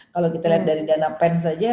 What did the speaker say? kalau kita lihat dari dana pen saja